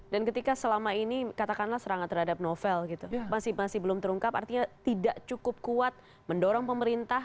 dan ketika selama ini katakanlah serangan terhadap novel gitu masih belum terungkap artinya tidak cukup kuat mendorong pemerintah gitu